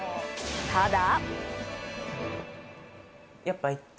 ただ。